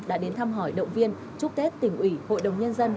đã đến thăm hỏi động viên chúc tết tỉnh ủy hội đồng nhân dân